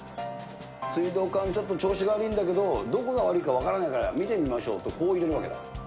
水道管、ちょっと調子が悪いんだけど、どこが悪いか分からないから見てみましょうと、こう入れるわけだ。